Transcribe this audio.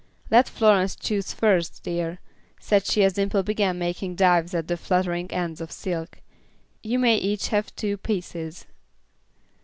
"Let Florence choose first, dear," said she as Dimple began making dives at the fluttering ends of silk. "You may each have two pieces."